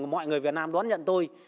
mọi người việt nam đón nhận tôi